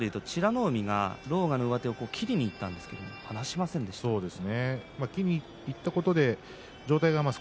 海は狼雅の上手を切りにいったんですが離しませんでしたね。